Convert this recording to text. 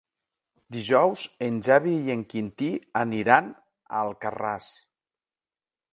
Dijous en Xavi i en Quintí aniran a Alcarràs.